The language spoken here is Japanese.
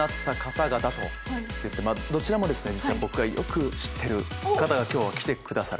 どちらも実は僕がよく知ってる方が今日は来てくださる。